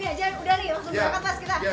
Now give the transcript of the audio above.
iya kita langsung ke mobil juga